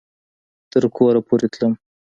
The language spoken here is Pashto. تر کوره پورې تلم